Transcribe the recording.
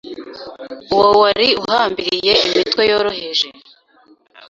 Uwo wari uhambiriye imitwe yoroheje